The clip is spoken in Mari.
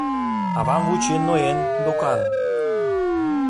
Авам вучен ноен, докан.